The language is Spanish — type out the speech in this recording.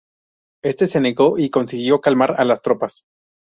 Este se negó y consiguió calmar a las tropas.